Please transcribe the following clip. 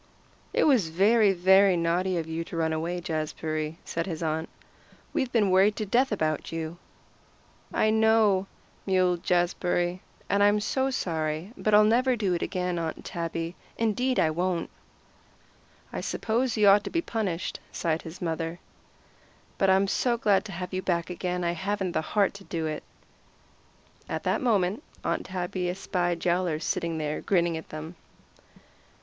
"It was very, very naughty of you to run away, Jazbury," said his aunt. "We've been worried to death about you." "I know," mewed Jazbury, "and I'm so sorry. But I'll never do it again, Aunt Tabby. Indeed I won't." "I suppose you ought to be punished," sighed his mother, "but I'm so glad to have you back again I haven't the heart to do it." At that moment Aunt Tabby espied Yowler sitting there grinning at them.